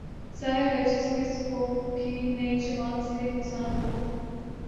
ظاہر ہے جس کس کو بھی نئی جماعت سے نقصان ہو